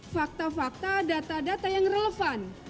fakta fakta data data yang relevan